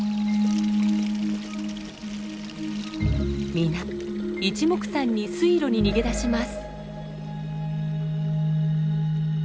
みないちもくさんに水路に逃げ出します。